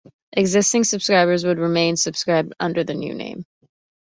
Existing subscribers would remain subscribed under the new name.